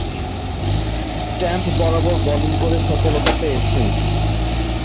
Stamp বরাবর bowling করে সফলতা পেয়েছেন।